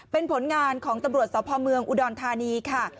เป็นผลงานของตำรวจสพเมืองอุดรธานีค่ะ